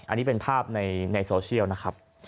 อันนี้เป็นภาพในโซเชียลนะครับ